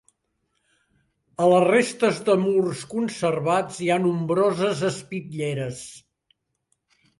A les restes de murs conservats hi ha nombroses espitlleres.